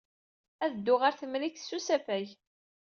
Ad dduɣ ɣer Temrikt s usafag.